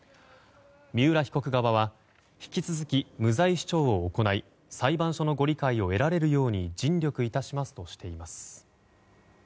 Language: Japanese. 三浦被告側は引き続き、無罪主張を行い裁判所のご理解を得られるように尽力いたしますとしています。